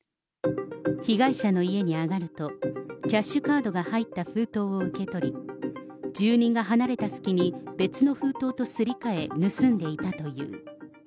被害者の家にあがると、キャッシュカードが入った封筒を受け取り、住人が離れたすきに、別の封筒とすり替え、盗んでいたという。